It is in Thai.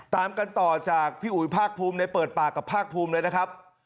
ตามกันต่อจากพี่อุ๋ยภาคภูมิในเปิดปากกับภาคภูมิเลยนะครับ